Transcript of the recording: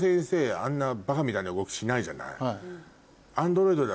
あんなバカみたいな動きしないじゃない？